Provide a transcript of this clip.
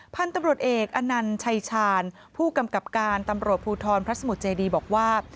พันธุ์ตำรวจเอกอนัญชัยชาญผู้กำกับการตำรวจภูทรพระสมุทรเจดีบอกว่า